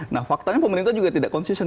nah faktanya pemerintah juga tidak konsisten